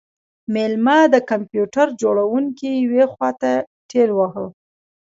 میلمه د کمپیوټر جوړونکی یوې خواته ټیل واهه